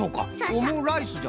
オムライスじゃもんね。